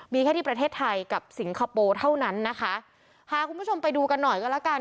มีแค่ที่ประเทศไทยกับสิงคโปร์เท่านั้นนะคะพาคุณผู้ชมไปดูกันหน่อยก็แล้วกัน